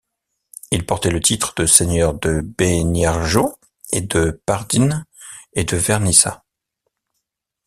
Il portait le titre de seigneur de Beniarjó, de Pardines et de Vernissa.